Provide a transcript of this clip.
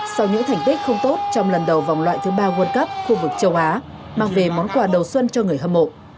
sau những thành tích không tốt trong lần đầu vòng loại thứ ba world cup khu vực châu á mang về món quà đầu xuân cho người hâm mộ